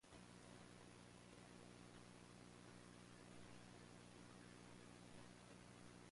It had no seats in the Parliament of Romania nor in the European Parliament.